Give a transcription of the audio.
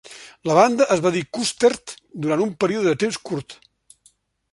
La banda es va dir Custerd durant un període de temps curt.